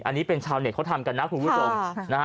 อันนี้เป็นชาวเน็ตเขาทำกันนะคุณผู้ชมนะฮะ